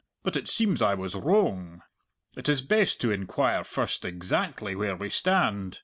But it seems I was wroang. It is best to inquire first exactly where we stand.